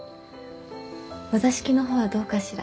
お座敷の方はどうかしら？